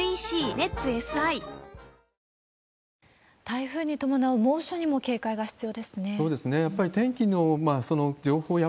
台風に伴う猛暑にも警戒が必要ですね。